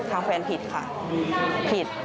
ทางแฟนผิดค่ะผิด